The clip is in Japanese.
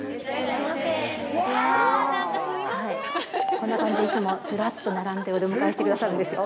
こんな感じで、いつもずらっと並んでお出迎えしてくださるんですよ。